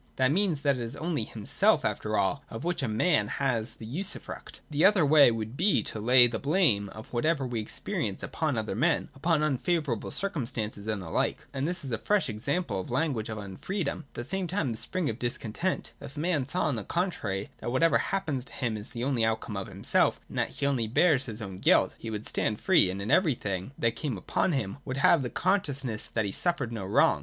That means that it is only himself after all of which a man has the usufruct. The other way would be to lay the blame of whatever we experience upon other men, upon unfavourable circumstances, and the like. And this is a fresh example of the language of unfreedom, and at the same time the spring of discontent. If man saw, on the contrary, that whatever happens to him is only the outcome of himself, and that he only bears his own guilt, he would stand free, and in every thing that came upon him would have the consciousness that he suffered no wrong.